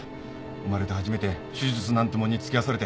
生まれて初めて手術なんてもんにつきあわされて。